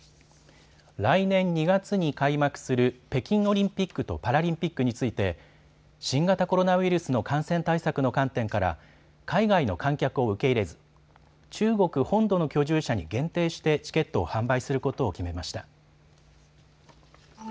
来年２月に開幕する北京オリンピックとパラリンピックについて新型コロナウイルスの感染対策の観点から海外の観客を受け入れず中国本土の居住者に限定してチケットを販売することを決めました。